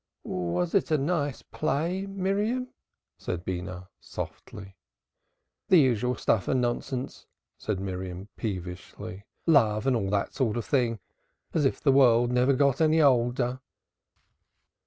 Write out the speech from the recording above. "Was it a nice play, Miriam?" said Beenah softly. "The usual stuff and nonsense!" said Miriam peevishly. "Love and all that sort of thing, as if the world never got any older."